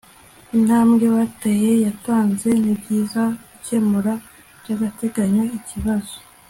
intambwe bateye yatanze nibyiza gukemura by'agateganyo ikibazo